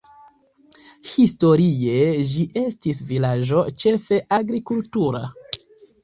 Historie ĝi estis vilaĝo ĉefe agrikultura.